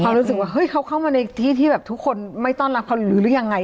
เขารู้สึกว่าเฮ้ยเขาเข้ามาในที่ที่แบบทุกคนไม่ต้อนรับเขาหรือยังไง